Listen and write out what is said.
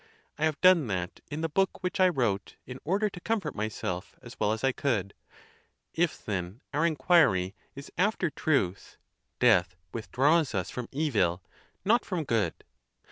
I have done that in the book which I wrote, in order to comfort myself as well as I could. If, then, our inquiry is after truth, death withdraws us from evil, not from good.